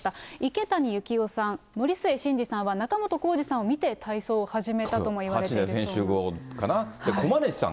池谷幸雄さん、森末慎二さんは仲本工事さんを見て体操を始めたともいわれている８時だョ！